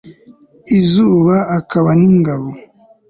izuba akaba n ingabo